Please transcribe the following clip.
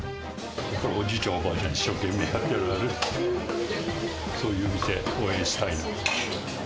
おじいちゃん、おばあちゃんが一生懸命やられている、そういう店、応援したいな。